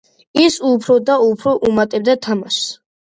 ის უფრო და უფრო უმატებდა თამაშს.